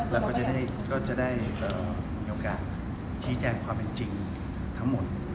แล้วก็จะได้มีโอกาสชี้แจงความเป็นจริงทั้งหมด